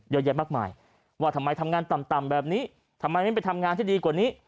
เยอะแยะมากมายว่าทำไมทำงานต่ำแบบนี้ทำไมไม่ไปทำงานที่ดีกว่านี้